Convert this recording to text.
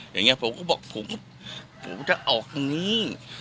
อย่างนี้ผมก็บอกผมจะออกทางนี้